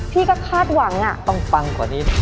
พี่ก็คาดหวังต้องปังกว่านี้